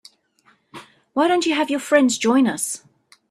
Why don't you have your friends join us?